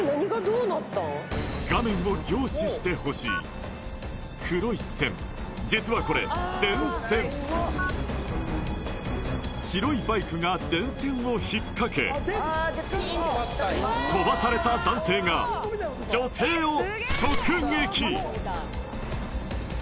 画面を凝視してほしい黒い線実はこれ電線白いバイクが電線を引っ掛け飛ばされた男性が女性を直撃！